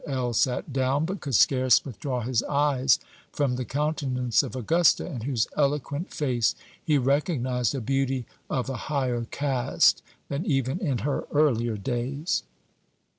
L. sat down, but could scarce withdraw his eyes from the countenance of Augusta, in whose eloquent face he recognized a beauty of a higher cast than even in her earlier days.